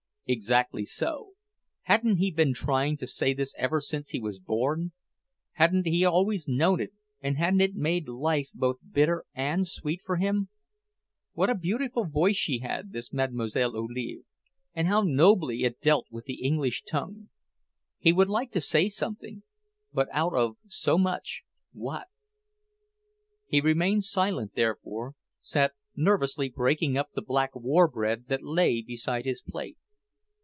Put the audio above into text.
Exactly so; hadn't he been trying to say this ever since he was born? Hadn't he always known it, and hadn't it made life both bitter and sweet for him? What a beautiful voice she had, this Mlle. Olive, and how nobly it dealt with the English tongue. He would like to say something, but out of so much... what? He remained silent, therefore, sat nervously breaking up the black war bread that lay beside his plate.